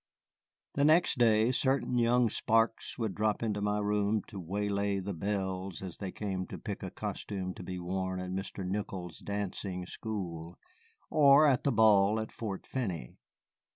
The next day certain young sparks would drop into my room to waylay the belles as they came to pick a costume to be worn at Mr. Nickle's dancing school, or at the ball at Fort Finney.